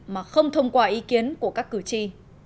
mà không thông qua ý kiến của các cử tri